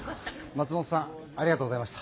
松本さんありがとうございました！